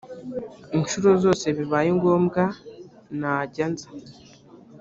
inshuro zose bibaye ngomwa najyanza.